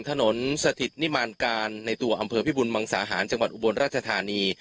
ถนนสถิตนิมานการในตัวอำเภอพิบุญมังสาหารจังหวัดอุบลราชธานี